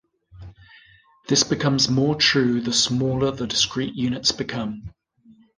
This becomes more true the smaller the discrete units become.